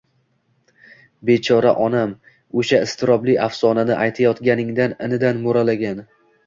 Bechora onam! O'sha iztirobli afsonani aytayotganingda inidan mo'ralagan